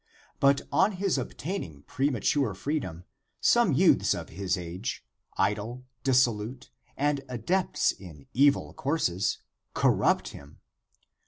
But on his obtaining premature freedom, some youths of his age, idle, dissolute, and adepts in evil courses, corrupt him.